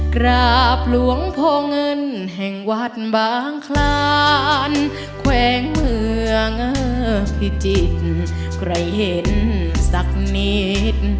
กราบหลวงพ่อเงินแห่งวัดบางคลานแขวงเมืองพิจิตรใครเห็นสักนิด